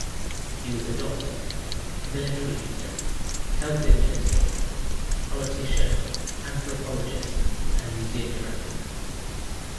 He was a doctor, military leader, health administrator, politician, anthropologist and museum director.